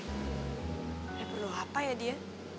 ini perlu apa ya dia